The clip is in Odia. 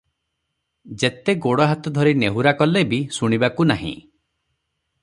ଯେତେ ଗୋଡ଼ ହାତ ଧରି ନେହୁରା କଲେ ବି ଶୁଣିବାକୁ ନାହିଁ ।